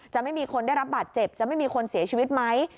จะไม่มีคนได้รับบาดเจ็บจะไม่มีคนเสียชีวิตไหม